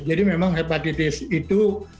jadi memang hepatitis itu